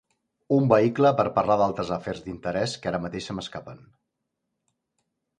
Un vehicle per parlar d'altres afers d'interès que ara mateix se m'escapen.